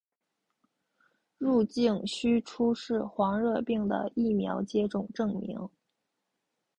入境须出示黄热病的疫苗接种证明。